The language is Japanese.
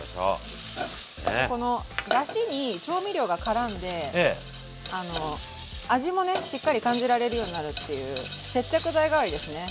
このだしに調味料がからんで味もねしっかり感じられるようになるっていう接着剤代わりですね